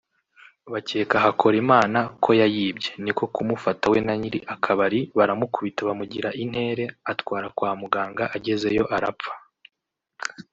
bakeka Hakorimana ko yayibye niko kumufata we na nyiri akabari baramukubita bamugira intere atwara kwa muganga agezeyo arapfa